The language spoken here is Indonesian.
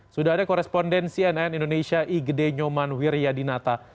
sudah ada koresponden cnn indonesia i gede nyoman wiryadinata